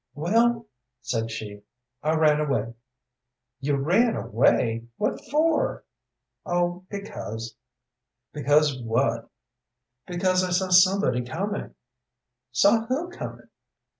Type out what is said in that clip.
"Well," said she, "I ran away." "You ran away! What for?" "Oh, because." "Because what?" "Because I saw somebody coming." "Saw who coming?"